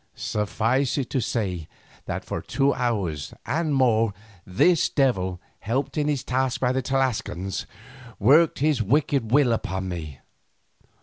Suffice it to say that for two hours and more this devil, helped in his task by the Tlascalans, worked his wicked will upon me.